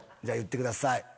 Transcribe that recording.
じゃあ言ってください。